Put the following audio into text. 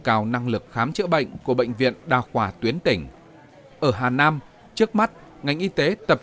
cao năng lực khám chữa bệnh của bệnh viện đa khoa tuyến tỉnh ở hà nam trước mắt ngành y tế tập